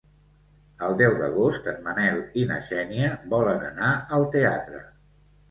El deu d'agost en Manel i na Xènia volen anar al teatre.